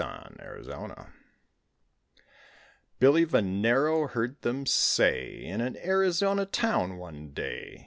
BILLY VENERO Billy Venero heard them say, In an Arizona town one day.